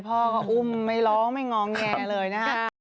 พ่อก็อุ้มไม่ร้องไม่งองแงเลยนะฮะ